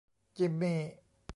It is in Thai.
จิมมี่